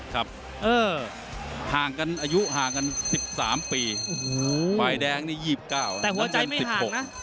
เออห่างกันอายุห่างกันสิบสามปีโอ้โหฝ่ายแดงนี่ยีบเก้าแต่หัวใจไม่ห่างนะ